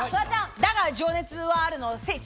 『だが、情熱はある』の聖地